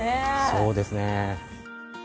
そうですね。